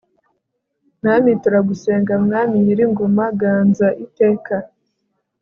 mwami turagusenga, mwami nyir'ingoma ganza iteka